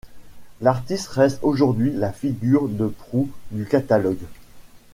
L'artiste reste aujourd'hui la figure de proue du catalogue.